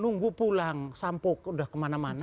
nunggu pulang sampok udah kemana mana